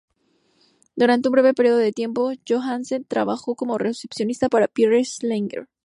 Durante un breve período de tiempo, Johansen trabajó como recepcionista para Pierre Salinger.